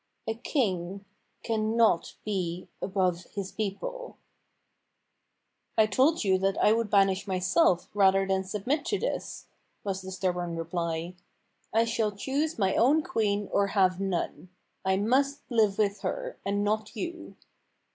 A king cannot be above his people." Bumper Makes Fuzzy Wuzz Queen 109 " I told you that I would banish myself rather than submit to this," was the stubborn reply. " I shall choose my own queen or have none. I must live with her, and not you."